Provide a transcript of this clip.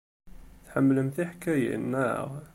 Tḥemmlem tiḥkayin, naɣ?